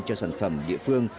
cho sản phẩm địa phương